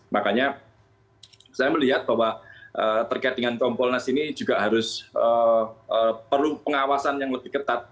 makanya saya melihat bahwa terkait dengan kompolnas ini juga harus perlu pengawasan yang lebih ketat